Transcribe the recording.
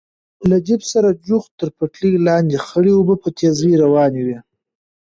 له جېپ سره جوخت تر پټلۍ لاندې خړې اوبه په تېزۍ روانې وې.